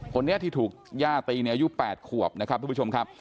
คนเนี่ยที่ถูกย่าตีอายุ๘ขวบครับคุณผู้ชมครับ